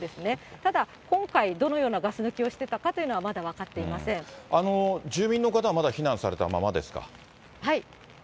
ただ、今回、どのようなガス抜きをしていたのかということはまだ分かっていま住民の方はまだ避難されたまはい。